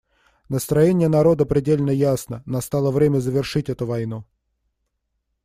Настроение народа предельно ясно: настало время завершить эту войну.